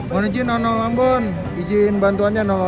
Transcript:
mohon izin nololambun izin bantuannya nololambun